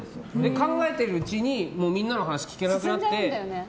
考えているうちにみんなの話聞けなくなって。